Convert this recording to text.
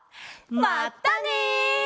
まったね！